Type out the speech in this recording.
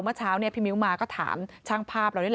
เมื่อเช้าพี่มิ้วมาก็ถามช่างภาพ